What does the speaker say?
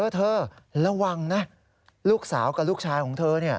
เธอระวังนะลูกสาวกับลูกชายของเธอ